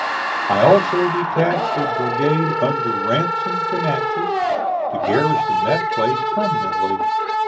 I also detached a brigade under Ransom to Natchez, to garrison that place permanently.